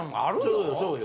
そうよそうよ。